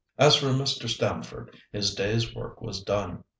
As for Mr. Stamford, his day's work was done.